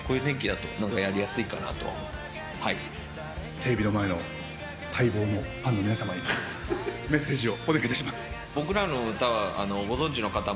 テレビの前の待望のファンの皆さまにメッセージをお願いいたします。